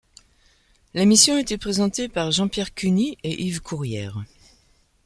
L'émission était présenté par Jean-Pierre Cuny et Yves Courrière.